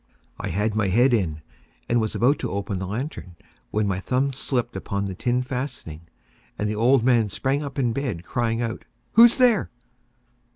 I had my head in, and was about to open the lantern, when my thumb slipped upon the tin fastening, and the old man sprang up in bed, crying out—"Who's there?"